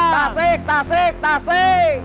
tasik tasik tasik